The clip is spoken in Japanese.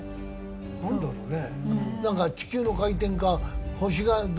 何だろうね。